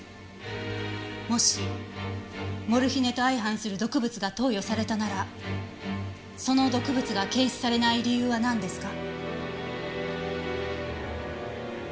もしモルヒネと相反する毒物が投与されたならその毒物が検出されない理由はなんですか？